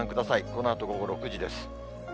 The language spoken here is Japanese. このあと午後６時です。